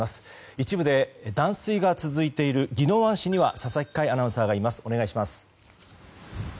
一部で断水が続いている宜野湾市には佐々木快アナウンサーがいますお願いします。